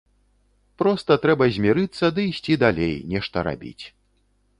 Проста трэба змірыцца ды ісці далей, нешта рабіць.